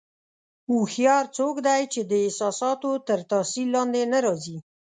هوښیار څوک دی چې د احساساتو تر تاثیر لاندې نه راځي.